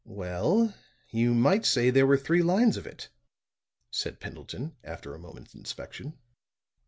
"Well, you might say there were three lines of it," said Pendleton, after a moment's inspection.